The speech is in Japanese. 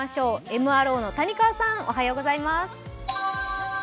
ＭＲＯの谷川さん、おはようございます。